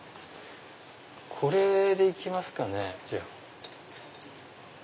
これで行きますかね。